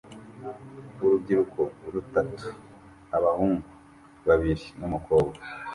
Urubyiruko rutatu (abahungu babiri numukobwa)